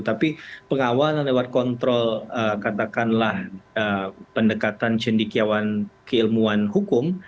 tapi pengawalan lewat kontrol katakanlah pendekatan cendikiawan keilmuan hukum